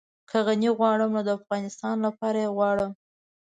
که غني غواړم نو د افغانستان لپاره يې غواړم.